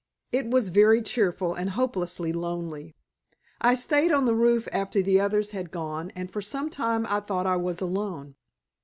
It was very cheerful and hopelessly lonely. I stayed on the roof after the others had gone, and for some time I thought I was alone.